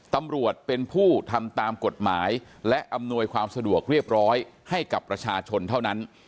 ตำรวจเป็นผู้ทำตามกฎหมายและอำนวยความสะดวกเรียบร้อยให้กับประชาชนเท่านั้น